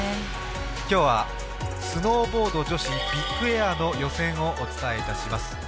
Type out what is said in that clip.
今日はスノーボード女子ビッグエアの予選をお伝えいたします。